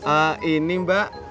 ah ini mbak